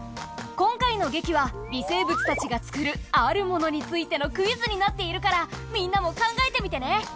今回の劇は微生物たちが作るあるものについてのクイズになっているからみんなも考えてみてね。